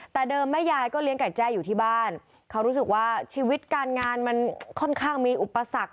แต่เดิมแม่ยายก็เลี้ยงไก่แจ้อยู่ที่บ้านเขารู้สึกว่าชีวิตการงานมันค่อนข้างมีอุปสรรค